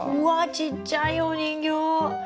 ちっちゃいお人形！